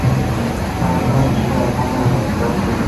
Lo mismo sucede con Homer en la central nuclear.